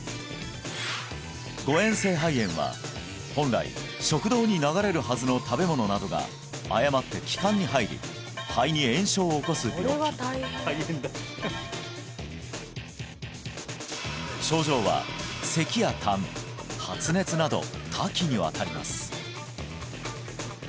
誤嚥性肺炎は本来食道に流れるはずの食べ物などが誤って気管に入り肺に炎症を起こす病気症状は咳や痰発熱など多岐にわたります